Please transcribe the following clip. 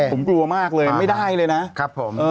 ผมกลัวมากเลยไม่ได้เลยนะ